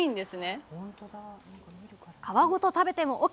皮ごと食べてもＯＫ。